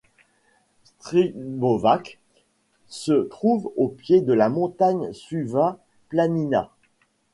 Štrbovac se trouve au pied de la montagne Suva Planina.